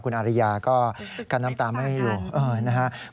คุณอาริยาก็กั้นน้ำตาไม่อยู่นะครับ